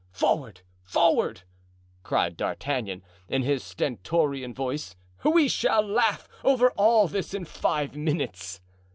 forward! forward!" cried D'Artagnan, in his stentorian voice; "we shall laugh over all this in five minutes."